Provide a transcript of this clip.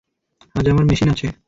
আজ আমার মেশিন আছে।